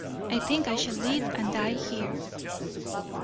"I think I shall live and die here."